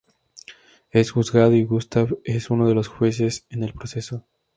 Süß es juzgado, y Gustav es uno de los jueces en el proceso.